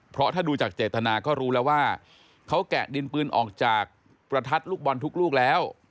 เพราะถ้าดูจากเจตนาก็รู้แล้วว่าเขาแกะดินปืนออกจากประทัดลูกบอลทุกลูกแล้ว